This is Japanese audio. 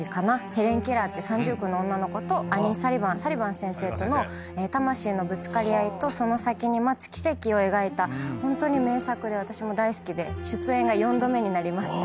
ヘレン・ケラーって三重苦の女の子とアニー・サリヴァンサリヴァン先生との魂のぶつかり合いとその先に待つ奇跡を描いたホントに名作で私も大好きで出演が４度目になります。